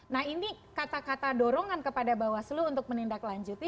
nah ini kata kata dorongan kepada bawaslu untuk menindaklanjuti